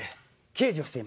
刑事？